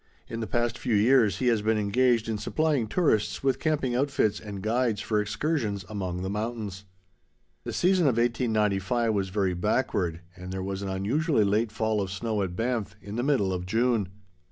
In the past few years, he has been engaged in supplying tourists with camping outfits and guides, for excursions among the mountains. The season of 1895 was very backward, and there was an unusually late fall of snow at Banff, in the middle of June.